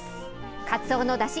かつおのだし。